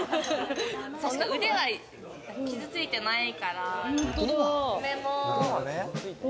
腕は傷ついてないから。